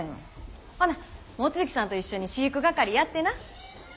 ほな望月さんと一緒に飼育係やってな。